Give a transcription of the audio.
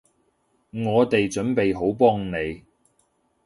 我哋準備好幫你